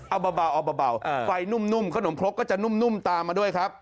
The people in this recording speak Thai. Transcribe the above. เอาเบาเอาเบาไฟนุ่มขนมครกก็จะนุ่มตามมาด้วยครับ